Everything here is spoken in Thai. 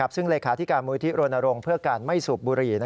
ซึ่งเลยคาที่การมูลยุทธิโรณโรงเพื่อการไหม้สูบบุรี